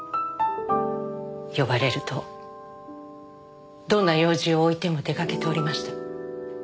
呼ばれるとどんな用事をおいても出かけておりました。